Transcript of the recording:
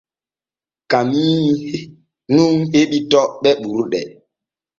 Kamiiyi nun heɓi toɓɓe ɓurɗe.